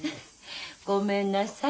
ごめんなさい